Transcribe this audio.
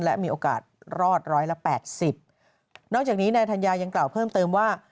และมีโอกาสรอดร้อยละ๘๐นอกจากนี้ในฐานยายังกล่าวเพิ่มเติมว่า